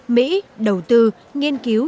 mỹ đầu tư nghiên cứu